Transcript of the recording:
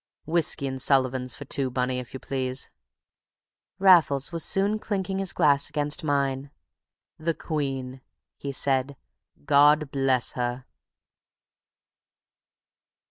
Whisky and Sullivans for two, Bunny, if you please." Raffles was soon clinking his glass against mine. "The Queen," said he. "God bless her!"